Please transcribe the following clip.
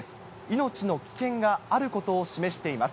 命の危険があることを示しています。